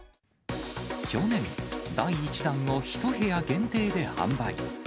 去年、第１弾を１部屋限定で販売。